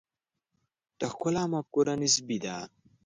د ښکلا مفکوره نسبي ده.